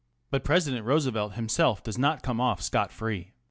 But President Roosevelt himself does not come off scot free.